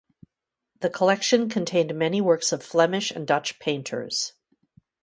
The collection contained many works of Flemish and Dutch painters.